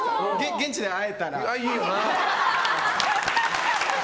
現地で会えたら。